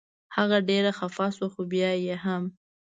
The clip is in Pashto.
هغه ډېره خفه شوه خو بیا یې هم.